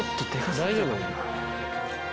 大丈夫？